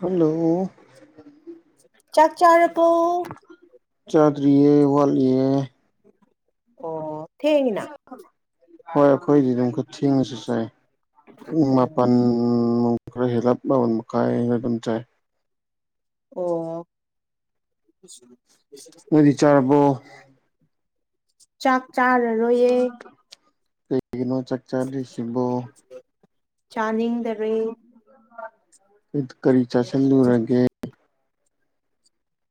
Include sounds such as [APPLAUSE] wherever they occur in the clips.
hello ꯆꯥꯛ ꯆꯥꯔꯔꯕꯣ ꯆꯥꯗꯔꯤ ꯋꯥ ꯑꯣ ꯊꯦꯡꯉꯤꯅ ꯍꯣꯏ ꯑꯩꯈꯣꯏꯗꯤ ꯑꯗꯨꯝ ꯈ ꯊꯦꯡꯉꯁꯨ ꯆꯥꯏ ꯄꯨꯡ ꯎꯝ ꯃꯥꯄꯜ ꯈꯔ ꯍꯦꯜꯂꯞ ꯃꯥꯄꯟ ꯃꯈꯥꯏ ꯑꯩꯅ ꯑꯗꯨꯝ ꯆꯥꯏ ꯑꯣ ꯃꯗꯤ ꯆꯥꯔꯕꯣ ꯆꯥꯛ ꯆꯥꯔꯔꯣ ꯌꯦ ꯇꯒꯅꯣ ꯆꯛꯆꯥ ꯔꯤꯁꯤꯕꯣ ꯆꯥꯅꯤꯡꯗꯕꯦ ꯀꯔꯤ ꯆꯥꯁꯤꯜꯂꯨꯔꯒꯦ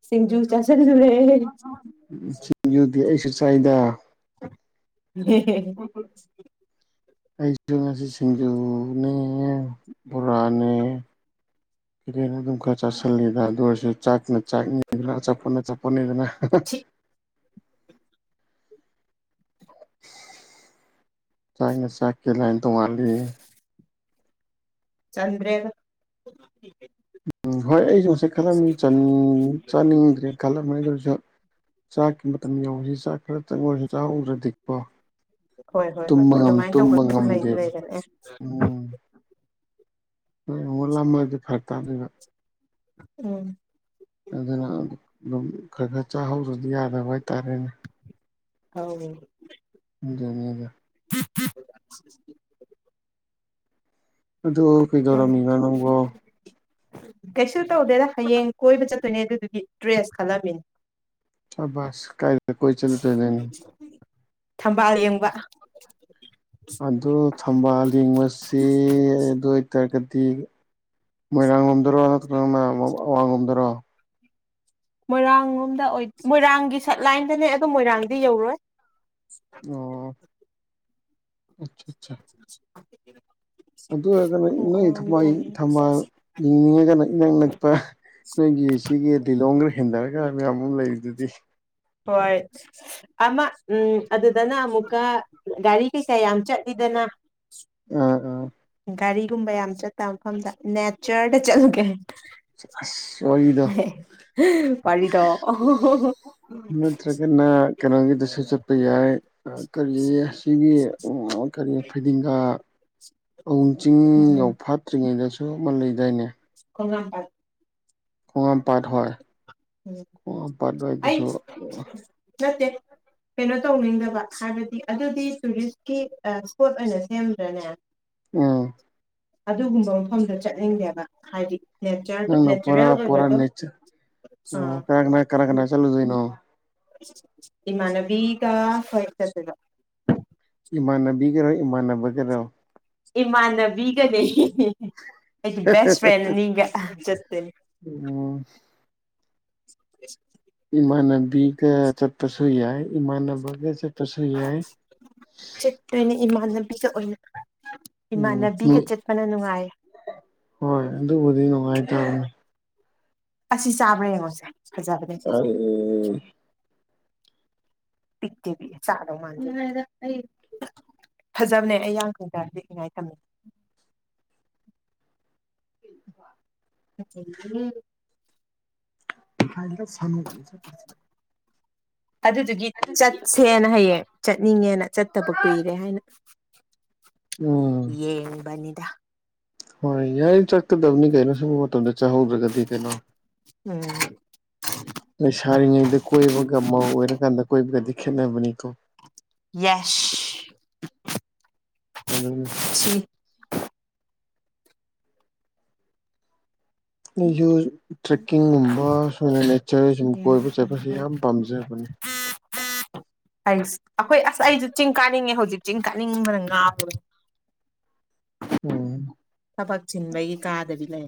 ꯁꯤꯁꯤꯡꯖꯨ ꯆ ꯆꯦ ꯌꯗꯤ ꯑꯩꯁꯨ ꯆꯥꯏꯗ ꯎꯝꯝ ꯑꯩꯁꯨ ꯉꯁꯤ ꯁꯤꯡꯖꯨꯅꯦ ꯕꯣꯔꯥꯅꯦ ꯀꯔꯅ ꯑꯗꯨꯝ ꯈꯔ ꯆꯥꯁꯤꯜꯂꯤꯗ ꯑꯗꯨ ꯑꯣꯏꯔꯁꯨ ꯆꯥꯛꯅ ꯆꯥꯛꯅꯤꯗꯅ ꯑꯆꯥꯄꯣꯅ ꯆꯄꯣꯅꯤꯗꯅ ꯆꯥꯛꯅ ꯆꯥꯛꯀꯤ ꯂꯥꯏꯅ ꯇꯧꯉꯜꯂꯤ ꯆꯗ꯭ꯔꯦꯒ ꯎꯝ ꯍꯣꯏ ꯑꯩꯁꯨ ꯉꯁꯥꯏ ꯈꯜꯂꯝꯃꯤ ꯆꯥꯅꯤꯡꯗ꯭ꯔꯦ ꯈꯜꯂꯝꯅꯤ ꯑꯗꯨꯁꯨ ꯆꯥꯛꯀꯤ ꯃꯇꯝ ꯌꯧꯁꯤ ꯆꯥꯛ ꯈꯔ ꯆꯪꯉꯨꯔꯁꯤ ꯆꯥꯛꯍꯗ꯭ꯔꯗꯤꯛꯄꯣ ꯍꯣꯏ ꯍꯣꯏ ꯍꯣꯏ ꯇꯨꯝꯕ ꯉꯝ ꯑꯗꯨꯃꯥꯏꯅ ꯇꯨꯝꯕ ꯇꯧꯕꯁꯨ ꯂꯩꯁꯨ ꯉꯝꯗꯦꯕ ꯂꯩꯕꯅꯦ ꯎꯝ ꯅꯣꯏ ꯎꯠꯂꯝꯃꯗꯤ ꯐꯔ ꯇꯥꯗꯕ ꯎꯝ ꯑꯗꯨꯅ ꯑꯗꯨꯝ ꯈꯔ ꯈꯔ ꯆꯥꯍꯧꯗ꯭ꯔꯗꯤ ꯌꯥꯗꯕ ꯍꯥꯏꯇꯥꯔꯦꯅꯦ ꯍ ꯖꯅꯤꯒ [UNINTELLIGIBLE] ꯑꯗ ꯀꯩꯗꯧꯔꯝꯃꯤꯕ꯭ꯔꯥ ꯅꯪꯒꯣ ꯀꯩꯁꯨ ꯇꯧꯗꯦꯗ ꯍꯌꯦꯡ ꯀꯣꯏꯕ ꯆꯠꯇꯣꯏꯅꯦ ꯑꯗꯨꯗꯨꯒꯤ ꯗ꯭ꯔꯦꯁ ꯈꯜꯂꯝꯃꯤꯅꯦ ꯁꯕꯥꯁ ꯀꯥꯏꯗ ꯀꯣꯏ ꯆꯠꯂꯨꯗꯣꯏꯅꯣ ꯊꯝꯕꯥꯜ ꯌꯦꯡꯕ ꯑꯗꯨ ꯊꯝꯕꯥꯜ ꯂꯤꯡꯕꯁꯤ ꯑꯗꯨ ꯇꯔꯒꯗꯤ ꯃꯣꯏꯔꯥꯡ ꯂꯣꯝꯗꯔꯣ ꯅꯠꯇ꯭ꯔꯒꯅꯌꯥꯝ ꯑꯋꯥꯡꯡꯂꯣꯝꯗꯔꯣ ꯃꯣꯏꯔꯥꯡ ꯂꯣꯝꯗ ꯑꯣꯏ ꯃꯣꯏꯔꯥꯡꯒꯤ ꯁꯠꯂꯥꯏꯟꯗꯅꯦ ꯑꯗꯨꯝ ꯃꯣꯏꯔꯥꯡꯗꯤ ꯌꯧꯔꯣꯏ ꯑꯣ ꯑꯆꯥ [UNINTELLIGIBLE] ꯑꯗꯨ ꯑꯣꯏꯔꯒꯅ ꯏ ꯈꯣꯡ ꯅꯣꯏ ꯑꯋꯥꯡꯕꯤ ꯊꯝꯕꯥꯜ ꯇꯣꯡꯉ ꯊꯝꯕꯥꯜ ꯂꯤꯡꯅꯤꯡꯉꯒꯅ ꯏꯅꯛ ꯅꯛꯄ ꯅꯣꯏꯒꯤ ꯁꯤꯒꯤ ꯂꯤꯂꯣꯡꯒꯔ ꯍꯦꯟꯊꯔꯒ ꯃꯌꯥꯝ ꯑꯃ ꯂꯩꯔꯤꯗꯨꯗꯤ ꯍꯣꯏ ꯑꯃ ꯎꯝ ꯑꯗꯨꯗꯅ ꯑꯃꯨꯛꯀ ꯒꯥꯔꯤ ꯀꯩꯁꯥ ꯌꯥꯝ ꯆꯠꯂꯤꯗꯅ ꯑꯥ ꯑꯥ ꯒꯥꯔꯤꯒꯨꯝꯕ ꯌꯥꯝ ꯆꯠꯇ ꯃꯐꯝꯗ ꯅꯦꯆꯔꯗ ꯆꯠꯂꯨꯒꯦ ꯆ ꯑꯣꯏꯗ ꯋꯥꯔꯤꯗꯣ ꯎꯝ ꯍ ꯊꯦ ꯀꯩꯅꯣꯒꯗ ꯁ ꯌꯥꯏ ꯀꯔꯤ ꯁꯤ ꯀꯔꯤ ꯐꯩꯗꯤꯡꯒꯥ ꯑꯍ ꯆꯤꯡ ꯌꯥꯧ ꯐꯠꯇ꯭ꯔꯤꯉꯩꯗꯁꯨ ꯑꯃ ꯂꯩꯗꯥꯏꯅꯦ ꯀꯉꯝ ꯄ ꯈꯣꯡꯉꯝꯄꯥꯠ ꯍꯣꯏ ꯎꯝ ꯈꯣꯡꯉꯝꯄꯥꯠ ꯑꯩ ꯑꯗꯨꯏꯗꯨꯁꯨ ꯅꯠꯇꯦ ꯀꯩꯅꯣ ꯇꯧꯅꯤꯡꯗꯕ ꯍꯥꯏꯕꯗꯤ ꯑꯗꯨꯗꯤ ꯇꯨꯔꯤꯁꯀꯤ ꯏꯁꯄꯣꯠ ꯑꯣꯏꯅ ꯁꯦꯝꯗ꯭ꯔꯅꯦ ꯑꯥ ꯑꯗꯨꯒꯨꯝꯕ ꯃꯐꯝꯗ ꯆꯠꯅꯤꯡꯗꯦꯕ ꯍꯥꯏꯗꯤ ꯅꯦꯆꯔ ꯑꯅ ꯄꯨꯔꯥ ꯅꯦꯆꯔꯦꯜ ꯄꯨꯔꯥ ꯑꯣꯏꯕꯗꯣ ꯅ ꯑꯥ ꯀꯔꯅꯥ ꯀꯔꯅꯥ ꯆꯂꯗꯅꯣ ꯏꯃꯅꯕꯤ ꯀ ꯍꯔ ꯆꯁꯦꯕ ꯏꯃꯥꯟꯅꯕꯤꯒꯤꯔꯣ ꯏꯃꯥꯟꯅꯕꯒꯔꯣ ꯏꯃꯥꯟꯅꯕꯤꯒꯅꯦ ꯑꯩꯒꯤ ꯕꯦꯁ ꯐ꯭ꯔꯦꯟꯅꯤꯒ ꯆꯁꯇꯤꯟ ꯎꯝ [INAUDIBLE] ꯏꯃꯥꯟꯅꯕꯤꯒ ꯆꯠꯄꯁꯨ ꯌꯥꯏ ꯏꯃꯥꯟꯅꯕꯒ ꯆꯠꯄꯁꯨ ꯌꯥꯏ ꯆꯅꯦ ꯏꯃꯥꯟꯅꯕꯤꯗ ꯎꯝ ꯏꯃꯥꯟꯅꯕꯤꯒ ꯅꯣꯏ ꯆꯠꯄꯅ ꯅꯨꯡꯉꯥꯏ ꯍꯣꯏ ꯑꯗꯨꯕꯨꯗꯤ ꯅꯨꯡꯉꯥꯏꯇꯔꯅꯦ ꯑꯁꯤ ꯆꯥꯕ꯭ꯔꯥ ꯌꯦꯡꯉꯣꯁꯦ ꯐꯖꯕꯅꯦ ꯁꯤꯁꯦ ꯑ ꯄꯤꯕꯤ ꯆꯗꯣ ꯃꯥ ꯐꯖꯕꯅꯦ ꯑꯩ ꯌꯥꯡꯈꯩꯗ ꯌꯦꯛꯅꯤꯡꯉꯥꯏ ꯊꯝꯃꯤ [UNINTELLIGIBLE] [INAUDIBLE] ꯐ ꯁ ꯑꯗꯨꯗꯨꯒꯤ ꯆꯠꯁꯦꯅ ꯍꯌꯦꯡ ꯆꯠꯅꯤꯡꯉꯦꯅ ꯆꯠꯇꯕ ꯀꯨꯏꯔꯦ ꯍꯥꯏꯅ ꯎꯝ ꯌꯦ ꯅꯤꯗ ꯍꯣꯏ ꯌꯥꯏ ꯆꯠꯀꯗꯕꯅꯤ ꯀꯩꯅ ꯁꯤ ꯇꯗ ꯆꯥꯍꯧꯗ꯭ꯔꯒꯗꯤ ꯀꯩꯅꯣ ꯎꯝ ꯅꯣꯏ ꯁꯥꯔꯤꯉꯩꯗ ꯀꯣꯏꯕꯒ ꯃ ꯑꯣꯏꯔ ꯀꯥꯟꯗ ꯀꯣꯏ ꯀꯗꯤ ꯈꯦꯠꯅꯕꯅꯤꯀꯣ ꯌꯦꯁ ꯑꯝ ꯁꯤ ꯑꯩꯁꯨ ꯇ꯭ꯔꯦꯛꯀꯤꯡꯒꯨꯝꯕ ꯁꯃꯥꯏꯅ ꯅꯦꯆꯔ ꯁꯨꯝ ꯀꯣꯏꯕ ꯆꯠꯄꯁꯦ ꯌꯥꯝ ꯄꯥꯝꯖꯕꯅꯤ ꯍꯥꯏ ꯑꯩꯈꯣꯏ ꯑꯁ ꯑꯩꯁꯨ ꯆꯤꯡ ꯀꯥꯅꯤꯡꯉꯦ ꯍꯧꯖꯤꯛ ꯆꯤꯡ ꯀꯥꯅꯤꯡꯕꯅ ꯉꯥꯕ ꯎꯝ ꯊꯕꯛ ꯁꯤꯤꯟꯕꯒꯤ ꯀꯥꯗꯗꯤ ꯂꯩ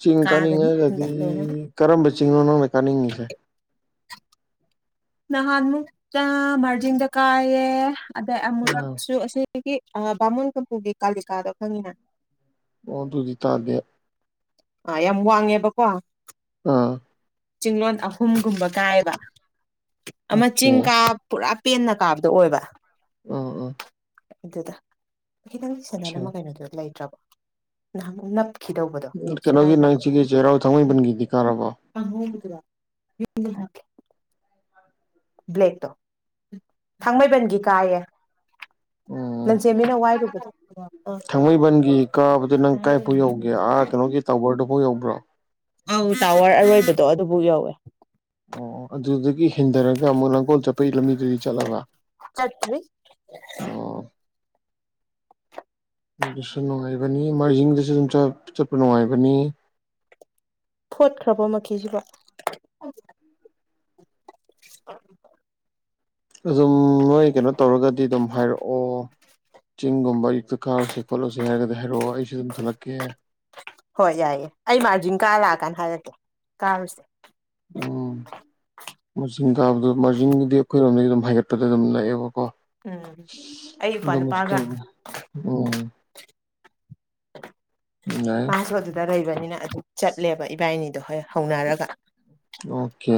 ꯆꯤꯡ ꯀꯥꯅꯤꯡꯉꯒꯗꯤ ꯀꯔꯝꯕ ꯆꯤꯡꯅꯣ ꯅꯪꯅ ꯀꯥꯅꯤꯡꯉꯤꯁꯦ ꯅꯍꯥꯟ ꯃꯨꯛꯇ ꯃꯥꯔꯖꯤꯤꯡꯗ ꯀꯥꯏꯌꯦꯦ ꯑꯗꯩ ꯑꯥ ꯑꯃꯨꯛꯁꯨ ꯑꯁꯤꯒꯤ ꯕꯥꯃꯣꯟ ꯀꯝꯄꯨꯒꯤ ꯀꯥꯂꯤꯀꯥꯗꯣ ꯈꯪꯉꯤꯅ ꯑꯣ ꯑꯗꯨꯖꯤ ꯇꯗꯦ ꯑ ꯌꯥꯝ ꯋꯥꯡꯉꯦꯕꯀꯣ ꯑꯥ ꯆꯤꯡꯂꯣꯟ ꯑꯍꯨꯝꯒꯨꯝꯕ ꯀꯥꯏꯕ ꯑꯃ ꯑꯣꯀꯦ ꯆꯤꯡ ꯑꯥ ꯀꯥ ꯄꯨꯔꯥ ꯄꯦꯟꯅ ꯀꯥꯕꯗꯣ ꯑꯣꯏꯕ ꯑ ꯑ ꯑꯗꯨꯗ ꯈꯤꯇꯪ ꯁꯦꯅꯜ ꯑꯃ ꯀꯩꯅꯣꯗꯨꯣ ꯂꯩꯇ꯭ꯔꯕꯣ ꯅꯍꯥꯟꯨꯛ ꯅꯞꯈꯤꯗꯧꯕꯗꯣ ꯀꯩꯅꯣꯒꯤ ꯅꯪ ꯁꯦꯒꯥꯏꯈ꯭ꯔꯕꯣ ꯁꯤꯒꯤ ꯆꯦꯔꯥ ꯑꯣ ꯊꯉꯕꯟꯒ ꯊ ꯀꯥꯔꯕ ꯦ ꯕ꯭ꯂꯦꯛꯇꯣ ꯊꯥꯡꯃꯩꯕꯟꯒꯤ ꯀꯥꯏꯌꯦ ꯎꯝ ꯂꯟꯖꯦ ꯃꯤꯅ ꯋꯥꯏꯔꯨꯕꯗꯣ ꯑꯥ ꯊꯥꯡꯃꯩꯕꯟꯒꯤ ꯀꯥꯕꯗ ꯅꯪ ꯀꯥꯏꯐꯥꯎ ꯌꯧꯒꯦ ꯑꯥ ꯀꯩꯅꯣꯒꯤ ꯇꯕꯔꯗꯨꯐꯥꯎ ꯌꯧꯕ꯭ꯔꯣ ꯑꯪ ꯇꯥꯋꯔ ꯑꯔꯣꯏꯕꯗꯣ ꯑꯗꯨꯕꯨꯥꯎ ꯌꯧꯋꯦ ꯑꯣ ꯑꯗꯨꯗꯤ ꯒꯤ ꯍꯦꯟꯊꯔꯒ ꯑꯃꯨꯛ ꯂꯥꯡꯒꯣꯜ ꯆꯠꯄꯒꯤ ꯂꯝꯕꯤꯗꯨꯗꯤ ꯆꯠꯂꯕ ꯆꯠꯇ꯭ꯔꯤ ꯑꯣ ꯑꯗꯨꯁꯨ ꯅꯨꯡꯉꯥꯏꯕꯅꯤ ꯃꯔꯖꯤꯡꯗꯁꯨ ꯑꯗꯨꯝ ꯆꯠꯄ ꯅꯨꯡꯉꯥꯏꯕꯅꯤ ꯐꯣꯠꯈ꯭ꯔꯕ ꯃꯈꯤꯁꯤꯕꫭ ꯑ [UNINTELLIGIBLE] ꯑꯗꯨꯝ ꯅꯣꯏ ꯀꯩꯅꯣ ꯇꯧꯔꯒꯗꯤ ꯑꯗꯨꯝ ꯍꯥꯏꯔꯛꯑꯣ ꯆꯤꯡꯒꯨꯝꯕ ꯑꯌꯨꯛꯇ ꯀꯥꯔꯨꯁꯦ ꯈꯣꯠꯂꯨꯁꯦ ꯍꯥꯏꯔꯗꯤ ꯍꯥꯏꯔꯛꯑꯣ ꯑꯩꯁꯨ ꯑꯗꯨꯝ ꯊꯂꯛꯀꯦ ꯍꯣꯏ ꯌꯥꯏꯌꯦ ꯑꯩ ꯃꯥꯔꯖꯤꯡ ꯀꯥꯟ ꯍꯥꯏꯛꯀ‌ꯦ ꯀꯥꯔꯨꯁꯦ ꯎꯝ ꯃꯖꯤꯡ ꯀꯥꯕꯗ ꯃꯖꯤꯡꯗꯨꯗꯤ ꯑꯩꯈꯣꯏꯔꯣꯝꯗꯗꯤ ꯑꯗꯨꯝ ꯍꯥꯏꯒꯠꯄꯗ ꯑꯗꯨꯝ ꯅꯛꯑꯦꯕ ꯎꯝ ꯑꯩ ꯏꯄ꯭ꯋꯥ ꯑꯗꯨꯗ ꯃꯁ ꯅꯨꯄꯥꯒ ꯑꯣ ꯌꯥꯏ ꯄꯄꯣꯗꯨꯗ ꯂꯩꯕꯅꯤꯅ ꯑꯗꯨ ꯆꯠꯂꯦꯕ ꯏꯕꯥꯏꯅꯤꯗꯣ ꯍꯣꯏ ꯍꯧꯅꯔꯒ ꯑꯣꯀꯦ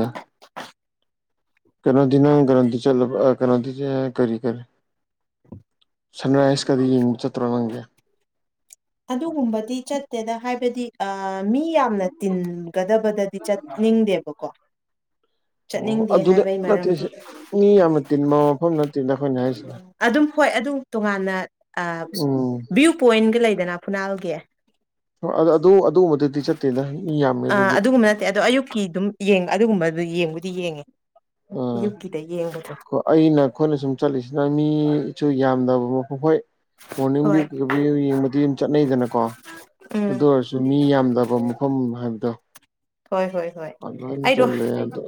ꯀꯣꯗꯤꯅ ꯀ꯭ꯔꯗꯤ ꯆꯂ ꯀ꯭ꯔꯣꯗꯤ ꯆ ꯀꯔꯤ ꯀꯔꯦ ꯁꯟꯔꯥꯏꯁꯀꯗꯤ ꯌꯦꯡꯕ ꯆꯠꯇ꯭ꯔꯣ ꯅꯪꯗꯦ ꯑ ꯃꯤ ꯌꯥꯝꯅ ꯇꯤꯟꯒꯗꯕꯗꯗꯤ ꯆꯠꯅꯤꯡꯗꯦꯕꯀꯣ ꯑꯣ ꯆꯠꯅꯤꯡꯗꯦ ꯑꯗꯨꯗ ꯍꯥꯏꯕꯒꯤ ꯅꯠꯇꯦ ꯃꯔꯝꯗꯤ ꯃꯤ ꯌꯥꯝꯅ ꯇꯤꯟꯕ ꯃꯐꯝ ꯅꯠꯇꯦꯗ ꯑꯩꯈꯣꯏꯅ ꯍꯥꯏꯁꯤꯅ ꯑꯗꯨꯝ ꯍꯣꯏ ꯑꯗꯨ ꯇꯣꯉꯥꯟꯅ ꯎꯝ ꯚ꯭ꯌꯨ ꯄꯣꯏꯟꯒ ꯂꯩꯗꯅ ꯐꯨꯅꯥꯜꯒꯤ ꯍ ꯑꯗꯨ ꯑꯗꯨ ꯑ ꯑꯗꯨꯒꯨꯝꯕ ꯅꯠꯇꯦ ꯑꯗꯣ ꯑꯌꯨꯛꯀꯤ ꯑꯗꯨꯝꯡ ꯑꯗꯨꯒꯨꯝꯕꯗꯨ ꯌꯦꯡꯕꯨꯗꯤ ꯌꯦꯡꯉꯦ ꯑꯌꯨꯛꯀꯤꯗ ꯌꯦꯡꯕꯗꯣ ꯑ ꯑꯩꯅ ꯑꯩꯈꯣꯏꯅ ꯁꯨꯝ ꯆꯠꯂꯤꯁꯤꯅ ꯃꯤ ꯌꯥꯝꯗꯕ ꯃ ꯍꯣꯏ ꯃꯣꯔꯅꯤꯡ ꯍꯣꯏ ꯌꯦꯡꯕꯗꯤ ꯑꯗꯨꯝ ꯆꯠꯅꯩꯗꯅꯀꯣ ꯑꯗꯨ ꯎꯝ ꯑꯣꯏꯔꯁꯨ ꯃꯤ ꯌꯥꯝ ꯐꯖꯕ ꯃꯐꯝ ꯍꯥꯏꯕꯗꯣ ꯍꯣꯏ ꯍꯣꯏ ꯍꯣꯏ ꯑꯗꯨꯃꯥꯏꯅ ꯑꯩꯗꯣ ꯆꯠꯂꯦ ꯑꯗꯣ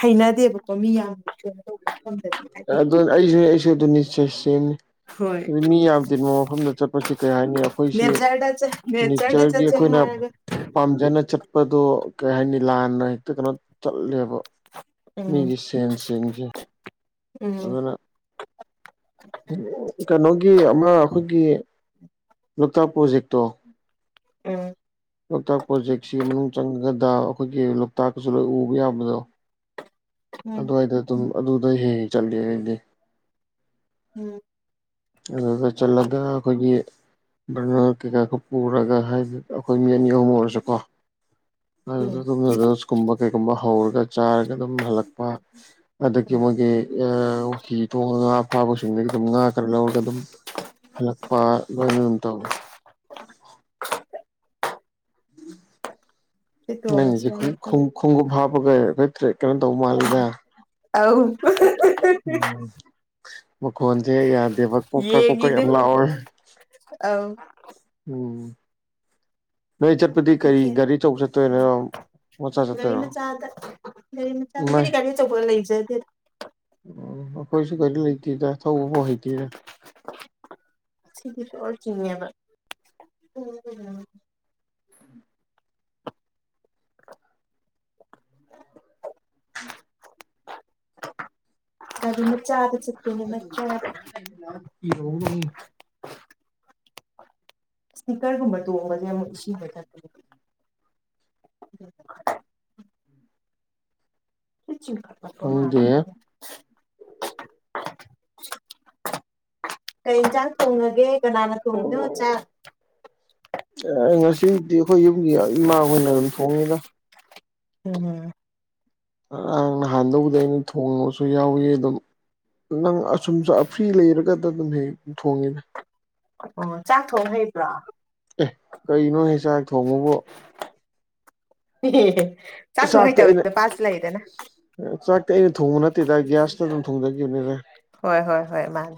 ꯍꯩꯅꯗꯦꯕꯀꯣ ꯃꯤ ꯌꯥꯝꯅ ꯀꯩꯅꫭ ꯇꯧꯕ ꯃꯐꯝꯗꯗꯤ ꯍꯥꯏꯗꯤ ꯑꯗꯨ ꯑꯩꯖꯨ ꯑꯩꯁꯨ ꯑꯗꯨꯅꯤ ꯆ‌ꯦ ꯁ‌ꯦꯝꯅ‌‌ꯦ ꯍꯣꯏ ꯑꯗꯨ ꯃꯤ ꯌꯥꯝ ꯇꯤꯟꯕ ꯃꯐꯝꯗ ꯆꯠꯄꯁꯤ ꯀꯩ ꯍꯥꯏꯅꯤ ꯑꯩꯈꯣꯏꯁꯤ ꯅꯦꯆꯔꯗ ꯆꯠ ꯅꯦꯆꯔꯗ ꯅꯦꯆꯔꯒꯤ ꯆꯠꯁꯦ ꯑꯩꯈꯣꯏꯅ ꯍꯥꯏꯔꯒ ꯄꯥꯝꯖꯅ ꯆꯠ ꯆꯠꯄꯗꯣ ꯀꯩ ꯍꯥꯏꯅꯤ ꯂꯥꯟꯅ ꯍꯦꯛꯇ ꯀꯩꯅꯣ ꯆꯠꯂꯦꯕ ꯑ ꯎꯝ ꯃꯤꯒꯤ ꯁꯦꯟꯁꯤꯡꯁꯦ ꯎꯝ ꯑꯗꯨꯅ ꯀꯩꯅꯣꯒꯤ ꯑꯃ ꯑꯩꯈꯣꯏꯒꯤ ꯂꫭꯛꯇꯥꯛ ꯄ꯭ꯔꫭꯖ‌ꯦꯛꯇꫭ ꯎꯝ ꯂꯣꯛꯇꯥꯛ ꯄ꯭ꯔꯣꯖꯦꯛꯁꯤ ꯃꯅꯨꯡ ꯆꯪꯉꯒꯗ ꯑꯩꯈꯣꯏꯒꯤ ꯂꯣꯛꯇꯥꯛꯀꯁꯨ ꯂꯣꯏ ꯎꯕ ꯌꯥꯕꯗꯣ ꯎꯝ ꯑꯗꯨꯋꯥꯏꯗ ꯑꯗꯨꯝ ꯑꯗꯨꯗ ꯍꯦꯛ ꯍ‌ꯦꯛ ꯆꯠꯂꯤ ꯑꯩꯗꯤ ꯎꯝ ꯑꯗꯨꯗ ꯆꯠꯂꯒ ꯑꯩꯈꯣꯏꯒꯤ ꯕꯔꯅꯔ ꯀꯩꯀꯥ ꯈꯔ ꯄꯨꯔꯒ ꯍꯥꯏꯗꯤ ꯑꯩꯈꯣꯏ ꯃꯤ ꯑꯅꯤ ꯑꯍꯨꯝ ꯑꯣꯏꯔꯁꯨꯀꯣ ꯑꯗꯨꯗ ꯎꯝ ꯑꯗꯨꯝ ꯅꯨꯗꯜꯁꯀꯨꯝꯕ ꯀꯩꯒꯨꯝꯕ ꯍꯧꯔꯒ ꯆꯥꯔꯒ ꯑꯗꯨꯝ ꯍꯜꯂꯛꯄ ꯑꯗꯒꯤ ꯎꯝ ꯃꯣꯏꯒꯤ ꯍꯤ ꯊꯣꯡꯉꯒ ꯉꯥ ꯐꯥꯕꯁꯤꯡꯗꯒꯤ ꯑꯗꯨꯝ ꯉꯥ ꯈꯔ ꯂꯧꯔꯒ ꯑꯗꯨꯝ ꯍꯂꯛꯄ ꯂꯣꯏꯅ ꯑꯗꯨꯝ ꯇꯧꯏ ꯁꯤ ꯅꯪꯒꯤꯁ‌ꯦ ꯈꫭꯡꯎꯨꯞ ꯇꯣꯡꯉꯁꯤ ꯈꫭꯡꯎꯨꯞ ꯈꫭꯡꯎꯨꯞ ꯍꯥꯞꯄꯒ ꯅꯇꯇꯔ‌ꯦ ꯀꯩꯅꯣ ꯇꯧꯕ ꯃꯥꯜꯂꯤꯗ ꯑꯥꯎ ꯎꯝ ꯃꯈꯣꯟꯁꯦ ꯌꯥꯗꯦꯕ ꯀꯣꯛꯀ ꯀꯣꯛꯀꯥ ꯌꯥꯝ ꯂꯥꯎꯋꯦ ꯑꯎꯧ ꯎꯝ ꯅꯣꯏ ꯆꯠꯄꯗꯤ ꯀꯔꯤ ꯃꯈꯦꯜ ꯒꯥꯔꯤ ꯑꯆꯧꯕ ꯆꯠꯇꯣꯏꯔꯥ ꯒꯥꯔꯤ ꯃꯆꯥꯗ ꯒꯥꯔꯤ ꯃꯆꯥꯗ ꯏꯃꯥꯏ ꯑꯈꫭꯏꯗꯤ ꯒꯥꯔꯤ ꯑꯆꯧꯕ ꯂꯩꯖꯗꯦ ꯑꯩꯈꯣꯏꯁꯨ ꯀꯩꯁꯨ ꯂꯩꯇꯦꯗ ꯊꯧꯕꯐꯥꯎ ꯍꯩꯇꯦꯗ ꯁꯤꯒꯤꯁꯔ ꯆꯤꯡꯉꯦꯕ [INAUDIBLE] [INAUDIBLE] ꯆꯥꯗꯨꯝ ꯃꯆꯕꯥ ꯆꯤꯠ [UNINTELLIGIBLE] ꯏꯁꯄꯤꯀꯔꯒꯨꯝꯕ ꯇꯣꯡꯕꯁ ꯑꯃꯨꯛ ꯏꯁꯤꯡ ꯍ ꯆ [INAUDIBLE] ꯆꯤꯈꯠꯂꯛꯄ ꯃꯥꯜꯂꯦ ꯈꯪꯗꯦ ꯁꯤꯃꯣ [UNINTELLIGIBLE] ꯀꯩ ꯏꯟꯖꯥꯡ ꯊꯣꯡꯉꯒꯦ ꯀꯅꯥꯅ ꯇꯣꯡꯅꯣ ꯆꯥꯛ ꯉꯁꯤꯗꯤ ꯑꯩꯈꯣꯏ ꯌꯨꯝꯒꯤ ꯏꯃꯥꯈꯣꯏ ꯑꯣꯏꯅ ꯑꯗꯨꯝ ꯊꯣꯡꯉꯤꯗ ꯎꯝ ꯉꯔꯥꯡ ꯅꯍꯥꯟꯗꯧꯕꯨꯗ ꯑꯩꯅ ꯊꯣꯡꯕꯁꯨ ꯌꯥꯎꯏ ꯑꯗꯨꯝ ꯅꯪ ꯑꯁꯨꯝꯁꯨ ꯑꯐ꯭ꯔꯤ ꯂꯩꯔꯒꯗ ꯑꯗꯨꯝ ꯍꯦꯛ ꯊꯣꯡꯉꯤꯗꯥ ꯑꫭ ꯆꯥꯛ ꯊꯣꯡ ꯍꯩꯕ꯭ꯔꯥ ꯑꯦ ꯀꯩꯅꯣ ꯍ‌ꯦ ꯆꯥꯛ ꯊꯣꯡꯕꯕꯨ ꯍ ꯆꯥꯛ ꯆꯥꯛꯇꯤ ꯊꯣꯡꯉꯩꯇꯕ ꯑꯩꯅ ꯅꯨꯄꯁꯨ ꯂꯩꯗꯅ ꯆꯥꯛꯇꯤ ꯑꯩꯅ ꯊꯣꯡꯕ ꯅꯠꯇꯦꯗ ꯒ꯭ꯌꯥꯁꯇ ꯑꯗꯨꯝ ꯊꯣꯡꯖꯈꯤꯕꯅꯤꯗ ꯍꯣꯏ ꯍꯣꯏ ꯍꯣꯏ ꯃꯥꯅꯦ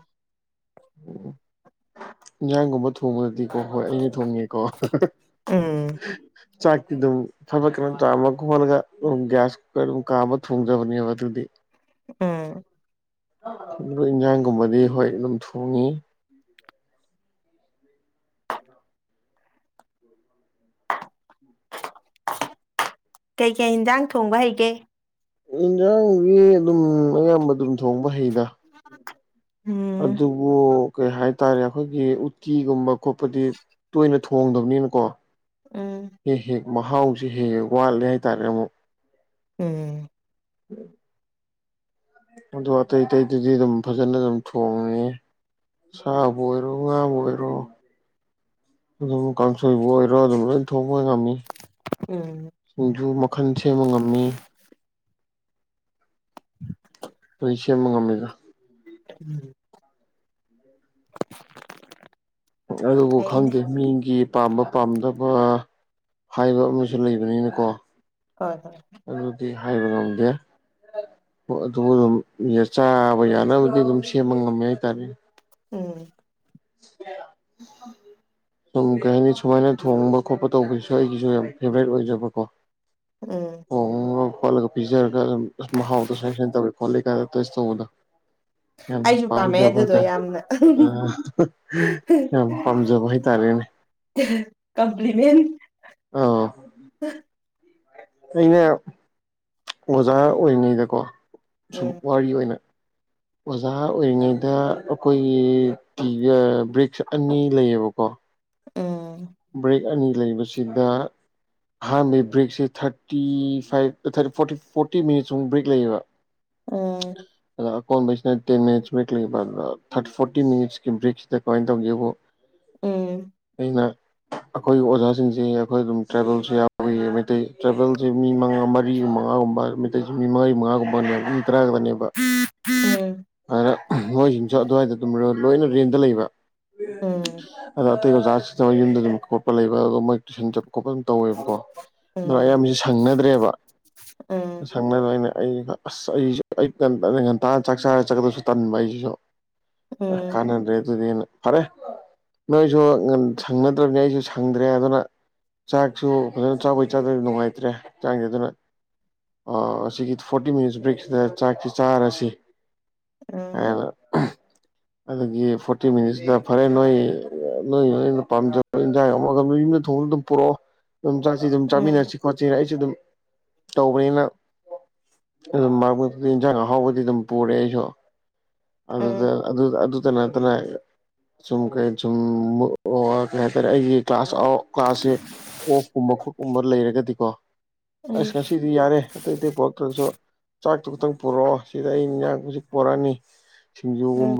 ꯏꯟꯖꯥꯡꯒꯨꯝꯕ ꯊꯣꯡꯉꯛꯑꯗꯤ ꯑꯣ ꯍꯣꯏ ꯑꯩꯅ ꯊꯣꯡꯉꯦꯀꯣ ꯎꯝ ꯆꯥꯛꯇꯤ ꯑꯗꯨꯝ ꯐꯕꯠ ꯀꯩꯅꯣ ꯆꯥꯝꯃꯒ ꯈꯣꯜꯂꯒ ꯑꯗꯨꯝ ꯒ꯭ꯌꯥꯁꯇ ꯑꯗꯨꯝ ꯀꯥꯝꯕ ꯊꯣꯡꯖꯕꯅꯦꯕ ꯑꯗꯨꯗꯤ ꯎꯝ ꯑꯗꯨꯕꯨ ꯏꯟꯁꯥꯡꯒꯨꯝꯕꯗꯤ ꯍꯣꯏ ꯑꯗꯨꯝ ꯊꯣꯡꯉꯤ ꯀꯩꯀꯩ ꯏꯟꯁꯥꯡ ꯊꯣꯡꯕ ꯍꯩꯒꯦ ꯏꯟꯁꯥꯡꯗꯤ ꯑꯗꯨꯝ ꯑꯌꯥꯝꯕ ꯑꯗꯨꯝ ꯊꯣꯡꯕ ꯍꯩꯗ ꯎꯝ ꯑꯗꯨꯕꯨ ꯀꯩ ꯍꯥꯏ ꯇꯥꯏꯔꯦ ꯑꯩꯈꯣꯏꯒꯤ ꯎꯇꯤꯒꯨꯝꯕ ꯈꯣꯠꯄꯗꯤ ꯇꯣꯏꯅ ꯊꯣꯡꯗꯕꯅꯤꯅꯀꯣ ꯎꯝ ꯍꯦꯛ ꯍꯦꯛ ꯃꯍꯥꯎꯁꯦ ꯍꯦꯛ ꯍꯦꯛ ꯋꯥꯠꯂꯦ ꯍꯥꯏꯇꯥꯔꯦ ꯑꯃꯨꯛ ꯎꯝ ꯎꯝ ꯑꯇꯩ ꯑꯇꯩ ꯑꯇꯩꯗꯗꯤ ꯑꯗꯨꯝ ꯐꯖꯅ ꯑꯗꯨꯝ ꯊꯣꯡꯉꯤ ꯁꯥꯕꯨ ꯑꯣꯏꯔꯣ ꯉꯥꯕꯨ ꯑꯣꯏꯔꯣ ꯑꯗꯨꯝ ꯀꯥꯡꯁꯣꯏꯕꯨ ꯑꯣꯏꯔꯣ ꯑꯗꯨꯝ ꯂꯣꯏ ꯊꯣꯡ ꯃꯣꯏꯉꯝꯃꯤ ꯎꯝ ꯁꯤꯡꯖꯨ ꯃꯈꯜ ꯁꯦꯝꯕ ꯉꯝꯃꯤ ꯂꯣꯏ ꯁꯦꯝꯕꯥ ꯉꯝꯃꯤꯗ ꯎꯝ ꯑꯗꯨꯕꯨ ꯐꯩꯅꯦ ꯈꯪꯗꯦ ꯃꯤꯒꯤ ꯄꯥꯝꯕ ꯄꯥꯝꯗꯕ ꯍꯥꯏꯕ ꯑꯃꯁꯨ ꯂꯩꯕꯅꯤꯅꯀꯣ ꯍꯣꯏ ꯍꯣꯏ ꯑꯗꯨꯗꯤ ꯍꯥꯏꯕ ꯉꯝꯗꯦ ꯍꯣꯏ ꯑꯗꯣ ꯑꯗꯨꯝ ꯆꯥꯕ ꯌꯥꯅꯕꯗꯤ ꯑꯗꯨꯝ ꯁꯦꯝꯕ ꯉꯝꯃꯦ ꯍꯥꯏꯇꯥꯔꯦ ꯎꯝ [UNINTELLIGIBLE] ꯁꯨꯝ ꯀꯩ ꯍꯥꯏꯅꯤ ꯁꯨꯃꯥꯏꯅ ꯊꯣꯡꯕ ꯈꯣꯠꯄ ꯇꯧꯕꯒꯤꯁꯨ ꯑꯩꯒꯤꯁꯨ ꯌꯥꯝ ꯐꯦꯚꯣꯔꯥꯏꯠ ꯑꯣꯏꯖꯕꯀꯣ ꯎꯝ ꯊꯣꯡꯉꯒ ꯈꯣꯠꯂꯒ ꯄꯤꯖꯔꯒ ꯑ ꯃꯍꯥꯎꯗꯣ ꯁ ꯁꯟ ꯇꯧꯋꯦ ꯈꯣꯠꯂ ꯀꯥꯏꯗ ꯇꯁ ꯇꯧꯕꯗꯣ ꯌꯥꯝꯅ ꯑꯩꯁꯨ ꯄꯥꯝꯃꯦ ꯄꯥꯝꯖꯕ ꯑꯗꯨꯗꯣ ꯍꯥꯏꯇꯥꯔꯦ ꯌꯥꯝꯅ ꯑ ꯍꯥꯍꯥ ꯌꯥꯝ ꯄꯥꯝꯖꯕ ꯍꯥꯏꯇꯥꯔꯦꯅꯦ ꯀꯝꯄꯤꯂꯤꯃꯦꯟ ꯑꯥ ꯑꯩꯅ ꯑꯣꯖꯥ ꯑꯣꯏꯔꯤꯉꯩꯗꯀꯣ ꯁꯨꯝ ꯎꯝ ꯋꯥꯔꯤ ꯑꯣꯏꯅ [INAUDIBLE] ꯑꯣꯖꯥ ꯑꯣꯏꯔꯤꯉꯩꯗ ꯑꯈꯣꯏꯒꯤ ꯇꯤꯖꯥ ꯕ꯭ꯔꯤꯛꯁ ꯑꯅꯤ ꯂꯩꯌꯦꯕꯀꯣ ꯑ ꯕ꯭ꯔꯦꯛ ꯑꯅꯤ ꯂꯩꯕꯁꯤꯗ ꯑꯍꯥꯟꯕꯒꯤ ꯕ꯭ꯔꯦꯛꯁꯦ ꯊꯥꯔꯇꯤ ꯐꯥꯏꯚ ꯊꯔ ꯐꯣꯔꯇꯤ ꯐꯣꯔꯇꯤ ꯃꯤꯅꯠꯁꯃꯨꯛ ꯕ꯭ꯔꯦꯛ ꯂꯩꯌꯦꯕ ꯎꯝ ꯑꯗ ꯀꯣꯟꯩꯁꯤꯅ ꯇꯦꯟ ꯃꯤꯅꯤꯠꯁ ꯕ꯭ꯔꯦꯛ ꯂꯩꯕ ꯊꯥꯔꯇꯤ ꯐꯣꯔꯇꯤ ꯃꯤꯅꯤꯠꯁꯀꯤ ꯕ꯭ꯔꯦꯛꯁꯤꯗ ꯀꯃꯥꯏꯅ ꯇꯧꯒꯦꯕꯨ ꯎꯝ ꯀꯅ ꯑꯩꯈꯣꯏꯒꯤ ꯑꯣꯖꯥꯁꯤꯡꯁꯦ ꯑꯩꯈꯣꯏ ꯑꯗꯨꯝ ꯇ꯭ꯔꯥꯕꯦꯜꯁꯨ ꯌꯥꯎꯋ ꯃꯩꯇꯩ ꯇ꯭ꯔꯥꯕꯦꯜꯁꯦ ꯃꯤ ꯃꯉꯥ ꯃꯔꯤ ꯑꯃ ꯃꯉꯥꯒꯨꯝ ꯃꯤꯃꯥꯔꯤ ꯃꯉꯥꯒꯨꯝꯕ ꯃꯤ ꯇꯥꯒꯗꯅꯦꯕ ꯑꯗꯨꯅ ꯃꯣꯏꯁꯤꯡꯁꯨ ꯑꯗꯨꯋꯥꯏꯗ ꯑꯗꯨꯝꯃꯒ ꯂꯣꯏꯅ ꯔꯦꯟꯗ ꯂꯩꯕ ꯎꯝ ꯎꯝ ꯑꯗ ꯑꯇꯩ ꯑꯣꯖꯥꯁꯤꯗ ꯌꯨꯝꯗꯒꯤ ꯌ ꯈꯣꯄ ꯂꯩꯕ ꯑꯗꯨꯒ ꯃꯣꯏ ꯇꯨꯏꯟ ꯆꯠꯄ ꯈꯣꯄ ꯑꯗꯨ ꯇꯧꯋꯦꯕꯀꯣ ꯑꯗꯣ ꯎꯝ ꯑꯌꯥꯝꯕꯕꯁꯤ ꯁꯪꯅꯗ꯭ꯔꯦꯕ ꯑ ꯎꯝ ꯁꯪꯅꯅꯕ ꯑꯩꯅ ꯑꯩ ꯑꯁ ꯑꯩꯁꯨ ꯑꯩ ꯉꯟꯇꯥ ꯆꯥꯛ ꯆꯥꯔ ꯆꯠꯀꯗꯁꯨ ꯇꯟꯕ ꯑꯩꯁꯤꯁꯨ ꯑ ꯎꯝ ꯀꯥꯟꯅꯗ꯭ꯔꯦ ꯑꯗꯨꯗꯤ ꯐꯔꯦ ꯅꯣꯏꯁꯨ ꯉꯟ ꯁꯪꯅ ꯇ꯭ꯔꯕꯅꯦ ꯑꯩꯁꯨ ꯁꯪꯗ꯭ꯔꯦ ꯑꯗꯨꯅ ꯆꯥꯛꯁꯨ ꯐꯖꯅ ꯆꯥꯛꯕꯩ ꯆꯥꯗꯕ ꯅꯨꯡꯉꯥꯏꯇ꯭ꯔꯦ ꯆꯥꯡꯁꯦ ꯑꯗꯨꯅ ꯑꯥ ꯑꯁꯤꯒꯤ ꯐꯣꯔꯇꯤ ꯃꯤꯅꯤꯠꯁ ꯕ꯭ꯔꯦꯛꯁꯤꯗ ꯆꯥꯛꯁꯤ ꯆꯥꯔꯁꯤ ꯎꯝ ꯑꯗꯨꯗꯒꯤ ꯐꯣꯔꯇꯤ ꯃꯤꯅꯤꯠꯁꯇ ꯐꯔꯦ ꯅꯣꯏ ꯅꯣꯏ ꯄꯥꯝꯖ ꯏꯟꯖꯥꯡ ꯌꯝꯃꯒ ꯌꯨꯝꯗ ꯊꯣꯡꯅ ꯑꯗꯨꯝ ꯄꯨꯔꯛꯑꯣ ꯑꯗꯨꯝ ꯆꯥꯛꯁꯤꯒꯥ ꯑꯗꯨꯝ ꯎꯝ ꯆꯥꯃꯤꯟꯅꯔꯁꯤ ꯈꯣꯠꯁꯤꯅꯥ ꯑꯩꯁꯦ ꯑꯗꯨꯝ ꯇꯧꯕꯅꯤꯅ ꯑꯗꯨꯝ ꯃꯔꯛ ꯃꯔꯛꯇꯗꯤ ꯏꯟꯖꯥꯡ ꯑꯥꯍꯥꯎꯕꯗꯤ ꯑꯗꯨꯝ ꯄꯨꯔꯦ ꯑꯩꯁꯨ ꯑꯗꯨꯗ ꯎꯝ ꯑꯗꯨ ꯑꯗꯨꯇ ꯅꯠꯇꯅ ꯁꯨꯝ ꯀꯩ ꯁꯨꯝ ꯑꯣ ꯑꯥ ꯀꯩ ꯍꯥꯏꯇꯥꯔꯦ ꯑꯩꯒꯤ ꯀ꯭ꯂꯥꯁ ꯑ ꯀ꯭ꯂꯥꯁꯁꯦ ꯑꯣꯐꯀꯨꯝꯕ ꯈꯣꯠꯀꯨꯝꯕ ꯂꯩꯔꯒꯗꯤꯀꯣ ꯑꯁ ꯎꯝ ꯉꯁꯤꯗꯤ ꯌꯥꯔꯦ ꯑꯇꯩ ꯑꯇꯩ ꯄꯣꯔꯛꯇ꯭ꯔꯒꯁꯨ ꯆꯥꯛꯇꯨ ꯈꯈꯤꯛꯇꯪ ꯄꯨꯔꯛꯑꯣ ꯁꯤꯗ ꯑꯩ ꯃꯤ ꯍꯧꯖꯤꯛ ꯄꯨꯣꯔꯛꯑꯅꯤ ꯎꯝ ꯁꯤꯡꯖꯨꯒꯨꯝꯕ